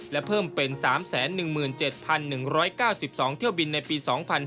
และเพิ่มเป็น๓๑๗๑๙๒เที่ยวบินในปี๒๕๕๙